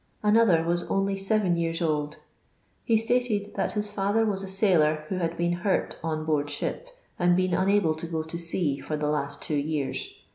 Another was only sewn jrears old. H« stated that his father was a sailor who had been hurt on board ship, and been unable to go to sea for the last two years.